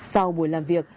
sau buổi làm việc